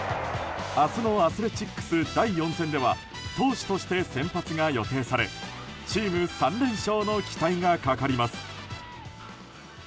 明日のアスレチックス第４戦では投手として先発が予定されチーム３連勝の期待がかかります。